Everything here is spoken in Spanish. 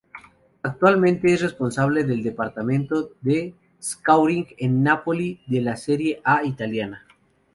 Actualmente es responsable del departamento de "scouting" del Napoli de la Serie A italiana.